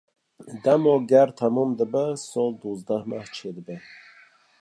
Dema ger temam dibe, sal dozdeh meh çêdibe.